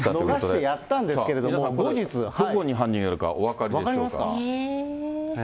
のがしてやったんですけれども、どこに犯人がいるかお分かり分かりますか？